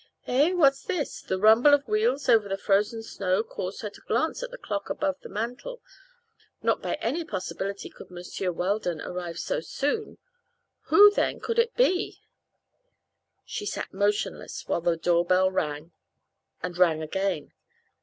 Eh? What is this? A rumble of wheels over the frozen snow caused her to glance at the clock above the mantel. Not by any possibility could Monsieur Weldon arrive so soon. Who, then, could it be? She sat motionless while the doorbell rang, and rang again.